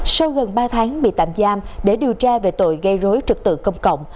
sau gần ba tháng bị tạm giam để điều tra về tội gây rối trực tự công cộng